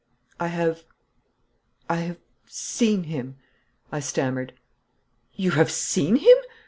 'I have I have seen him,' I stammered. 'You have seen him!